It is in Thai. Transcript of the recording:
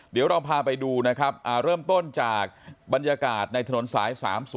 เดี๋ยวเราพาไปดูนะครับเริ่มต้นจากบรรยากาศในถนนสาย๓๐